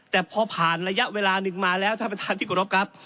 แต่พอผ่านระยะเวลาหนึ่งมาแล้วท่านประธานที่กรบครับ